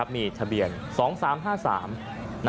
มีทะเบียน๒๓๕๓